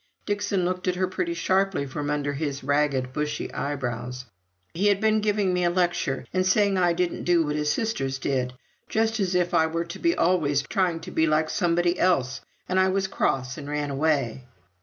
Dixon looked at her pretty sharply from under his ragged bushy eyebrows. "He had been giving me a lecture, and saying I didn't do what his sisters did just as if I were to be always trying to be like somebody else and I was cross and ran away."